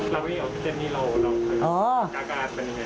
เราไม่เอาที่เจ็บนี้เราเคยกากาศเป็นอย่างไร